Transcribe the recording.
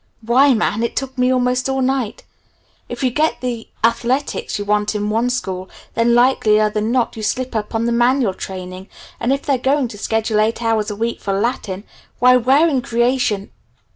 Why, man, it took me almost all night! If you get the athletics you want in one school, then likelier than not you slip up on the manual training, and if they're going to schedule eight hours a week for Latin, why where in Creation